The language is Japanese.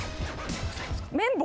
麺棒。